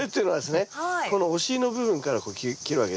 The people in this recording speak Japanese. このお尻の部分からこう切るわけですね。